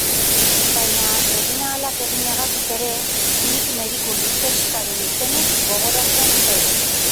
Baina eginahalak eginagatik ere, nik mediku luzexkaren izenik gogoratzen ez.